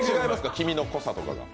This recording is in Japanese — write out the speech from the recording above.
黄身の濃さとかが。